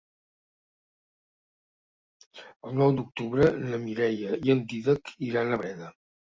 El nou d'octubre na Mireia i en Dídac iran a Breda.